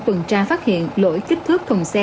tuần tra phát hiện lỗi kích thước thùng xe